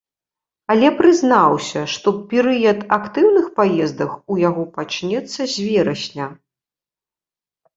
Але прызнаўся, што перыяд актыўных паездак у яго пачнецца з верасня.